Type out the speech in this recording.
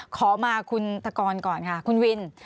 ขอมาคุณตะกรก่อนค่ะคุณวิน